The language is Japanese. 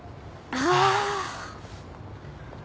ああ。